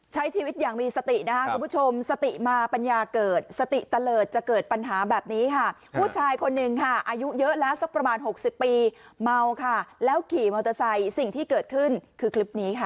ใช้ชีวิตอย่างมีสตินะคะคุณผู้ชมสติมาปัญญาเกิดสติเตลิศจะเกิดปัญหาแบบนี้ค่ะผู้ชายคนหนึ่งค่ะอายุเยอะแล้วสักประมาณ๖๐ปีเมาค่ะแล้วขี่มอเตอร์ไซค์สิ่งที่เกิดขึ้นคือคลิปนี้ค่ะ